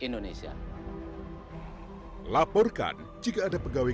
dengarkan suara hati